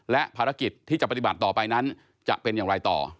และภารกิจที่จะปฏิบัติต่อไปนั้นจะเป็นอย่างไรต่อ